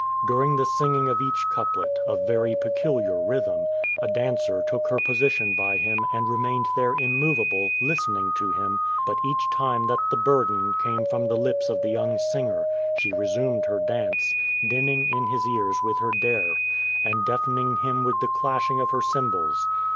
During the singing of each couplet, of very peculiar rhythm, a dancer took her position by him and remained there immovable, listening to him, but each time that the burden came from the lips of the young singer, she resumed her dance, dinning in his ears with her daire, and deafening him with the clashing of her cymbals.